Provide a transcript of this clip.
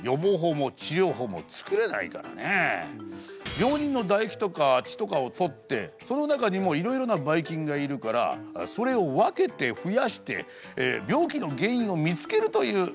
病人の唾液とか血とかを採ってその中にもいろいろなばい菌がいるからそれを分けて増やして病気の原因を見つけるという学問ですね。